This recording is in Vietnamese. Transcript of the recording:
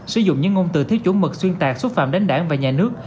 sử dụng những ngôn từ thiết chủ mực xuyên tạc xúc phạm đến đảng và nhà nước